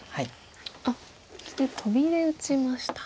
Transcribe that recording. そしてトビで打ちました。